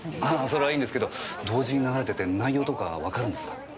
それはいいんですけど同時に流れてて内容とかわかるんですか？